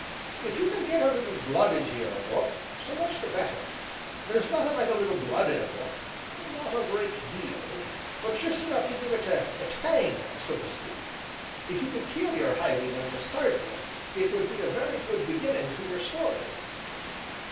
If you can get a little blood into your book, so much the better; there's nothing like a little blood in a book not a great deal, but just enough to give it a 'tang,' so to speak; if you could kill your highwayman to start with it would be a very good beginning to your story."